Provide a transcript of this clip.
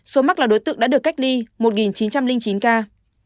số mắc là đối tượng đã được cách ly một chín trăm linh chín ca